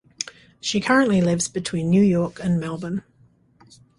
She currently lives between New York and Melbourne.